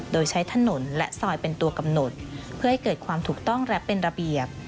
โดยใช้ถนนและซอยเป็นตัวกำหนดเพื่อให้เกิดความถูกต้องและเป็นระเบียบ